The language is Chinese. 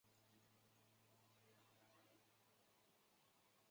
本列表依年号罗列明朝科举考试进士金榜。